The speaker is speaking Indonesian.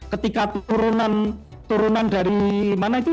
ketika turunan dari mana itu